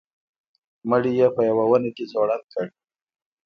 مړی یې په یوه ونه کې ځوړند کړ.